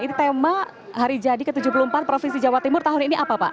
ini tema hari jadi ke tujuh puluh empat provinsi jawa timur tahun ini apa pak